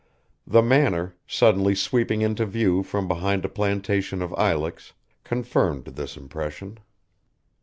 The Manor, suddenly sweeping into view from behind a plantation of ilex, confirmed this impression.